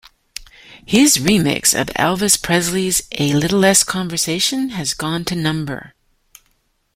His remix of Elvis Presley's "A Little Less Conversation" has gone to No.